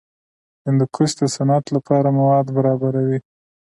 هندوکش د صنعت لپاره مواد برابروي.